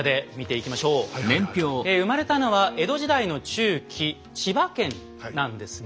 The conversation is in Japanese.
え生まれたのは江戸時代の中期千葉県なんですね。